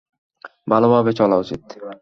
ভালোভাবেই চলা উচিত।